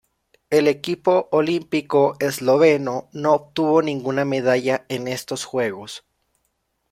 El equipo olímpico esloveno no obtuvo ninguna medalla en estos Juegos.